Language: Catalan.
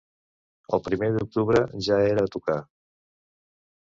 El primer d’octubre ja era a tocar.